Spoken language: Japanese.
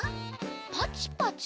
パチパチ？